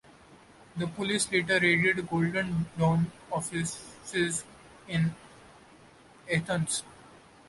The police later raided Golden Dawn offices in Athens.